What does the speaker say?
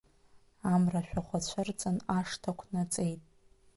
Амра-шәахәа цәырҵын, ашҭа қәнаҵеит.